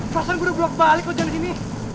perasaan gua udah blok balik kalo jalan ini